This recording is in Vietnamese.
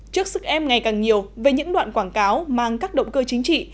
trước sức em ngày càng nhiều về những đoạn quảng cáo mang các động cơ chính trị